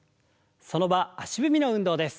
その場足踏みの運動です。